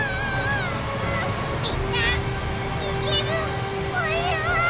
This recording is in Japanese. みんなにげるぽよ。